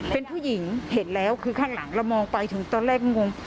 เป็นผู้หญิงเห็นแล้วคือข้างหลังเรามองไปถึงตอนแรกงง